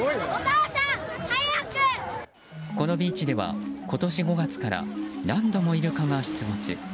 このビーチでは、今年５月から何度もイルカが出没。